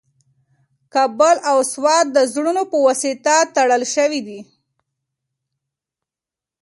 کابل او سوات د زړونو په واسطه تړل شوي دي.